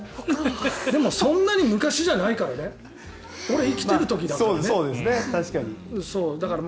でも、そんなに昔じゃないからね俺が生きてる時だから。